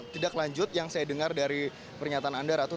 tidak lanjut yang saya dengar dari pernyataan anda ratu